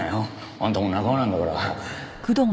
あんたも仲間なんだから。